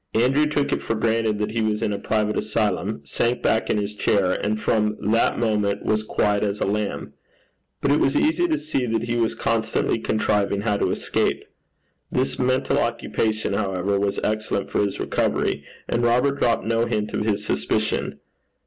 Andrew took it for granted that he was in a private asylum, sank back in his chair, and from that moment was quiet as a lamb. But it was easy to see that he was constantly contriving how to escape. This mental occupation, however, was excellent for his recovery; and Robert dropped no hint of his suspicion.